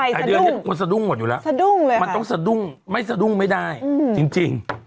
แต่เดือนนี้มันสะดุ้งหมดอยู่แล้วมันต้องสะดุ้งไม่สะดุ้งไม่ได้จริง